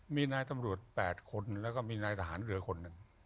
มีนายตำรวจ๘คนแล้วก็มีนายทหารเรือคนหนึ่ง